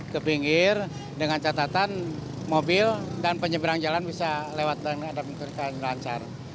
ke pinggir dengan catatan mobil dan penyeberang jalan bisa lewat dan lancar